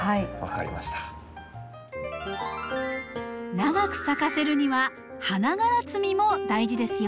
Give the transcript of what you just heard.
長く咲かせるには花がら摘みも大事ですよ。